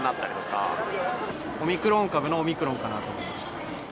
オミクロン株のオミクロンかなと思いました。